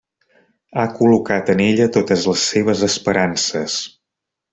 Ha col·locat en ella totes les seves esperances.